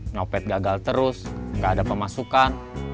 nyopet gagal terus gak ada pemasukan